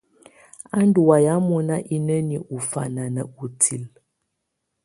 Á ndù wayɛ̀á mɔ̀na inǝ́niǝ́ ù fana nà utilǝ.